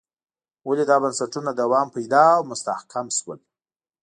ولې دا بنسټونه دوام پیدا او مستحکم شول.